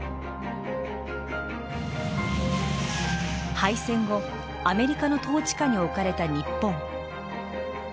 敗戦後アメリカの統治下に置かれた日本。